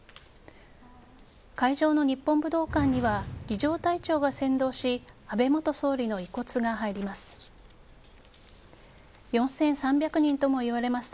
会場の日本武道館には儀仗隊長が先導し安倍元総理の遺骨が入ります。